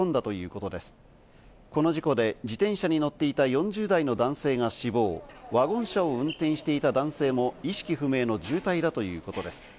この事故で自転車に乗っていた４０代の男性が死亡、ワゴン車を運転していた男性も意識不明の重体だということです。